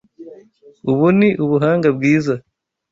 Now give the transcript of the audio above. Ubu ni ubuhanga bwiza.